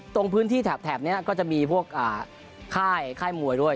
ตรงพื้นที่แถบนี้ก็จะมีพวกค่ายมวยด้วย